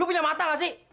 lu punya mata gak sih